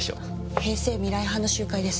平成未来派の集会です。